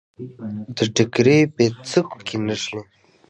د ټیکري پیڅکو کې نښلي